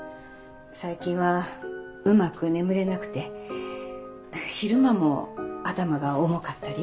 最近はうまく眠れなくて昼間も頭が重かったり。